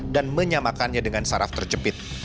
dan menyamakannya dengan saraf tercepit